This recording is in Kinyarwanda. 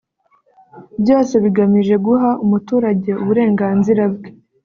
byose bigamije guha umuturage uburenganzira bwe